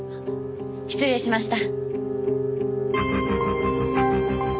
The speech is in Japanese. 失礼しました。